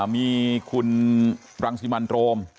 มีคุณรังษิวัณตรง